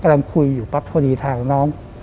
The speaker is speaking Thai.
กำลังคุยอยู่ปั๊บพอดีทางน้อง